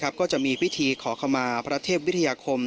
ก็จะมีพิธีขอขมาพระเทพวิทยาคม